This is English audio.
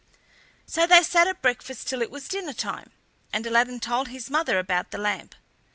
So they sat at breakfast till it was dinner time, and Aladdin told his mother about the lamp.